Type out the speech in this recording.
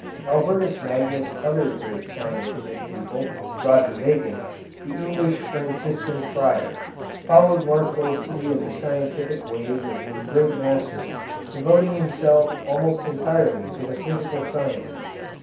Albertus Magnus' other great scientific pupil, Roger Bacon, the English Franciscan friar, followed more closely in the scientific ways of his great master, devoting himself almost entirely to the physical sciences.